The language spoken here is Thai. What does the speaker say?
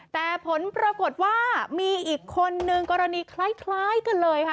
แต่ผลปรากฏว่ามีอีกคนนึงกรณีคล้ายกันเลยค่ะ